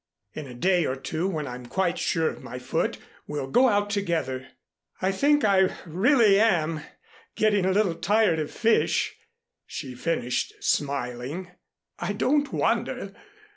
In a day or two when I'm quite sure of my foot, we'll go out together. I think I really am getting a little tired of fish," she finished smiling. "I don't wonder.